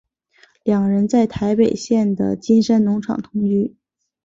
两人在台北县的金山农场同居。